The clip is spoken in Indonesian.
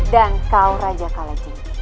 dan kau raja kalajeng